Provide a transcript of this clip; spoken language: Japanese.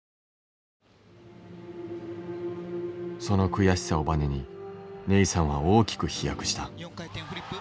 その悔しさをバネにネイサンは大きく飛躍した。